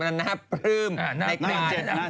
อันน่าปริ้มประเด็น